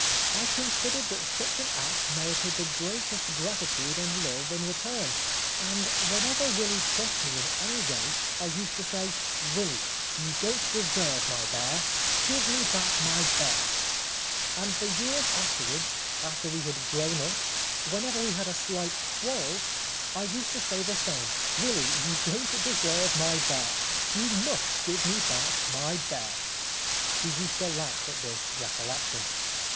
I considered that such an act merited the greatest gratitude and love in return, and whenever Willy crossed me in any way I used to say :" Willy, you don't deserve my bear. Give me back my bear." And for years afterwards, after we had grown up, whenever we had a slight quarrel, I used to 89 The Life of Oscar Wilde say the same :" Willy, you don't deserve my bear. You must give me back my bear." He used to laugh at this recollection.